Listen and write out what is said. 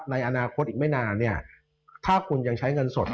ในอนาคตอีกไม่นานเนี่ยถ้าคุณยังใช้เงินสด